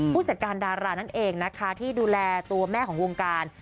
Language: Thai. ผู้จัดการดารานั่นเองนะคะที่ดูแลตัวแม่ของวงการ